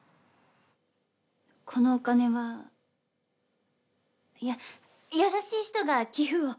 このお金はや優しい人が寄付を。